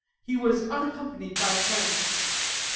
He was unaccompanied by friends.